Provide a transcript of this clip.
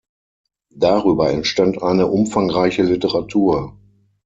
Darüber entstand eine umfangreiche Literatur.